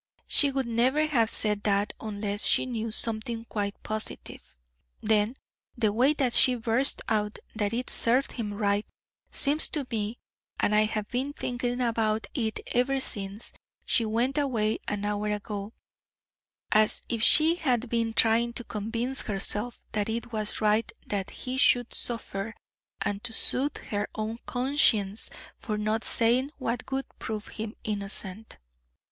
She would never have said that unless she knew something quite positive. Then the way that she burst out that it served him right, seems to me, and I have been thinking about it ever since she went away an hour ago, as if she had been trying to convince herself that it was right that he should suffer, and to soothe her own conscience for not saying what would prove him innocent."